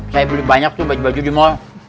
saya beli banyak tuh baju baju di mall